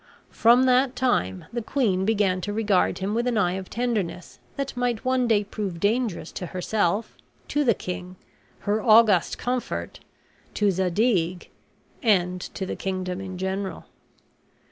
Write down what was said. From that time the queen began to regard him with an eye of tenderness that might one day prove dangerous to herself, to the king, her august comfort, to Zadig, and to the kingdom in general.